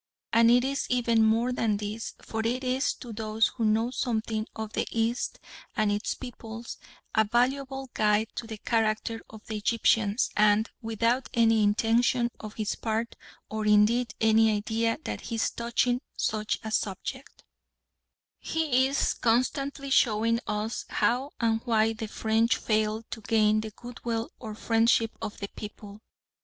And it is even more than this, for it is to those who know something of the East and its peoples a valuable guide to the character of the Egyptians, and, without any intention on his part, or indeed any idea that he is touching such a subject, he is constantly showing us how and why the French failed to gain the goodwill or friendship of the people.